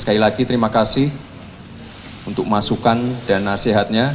sekali lagi terima kasih untuk masukan dan nasihatnya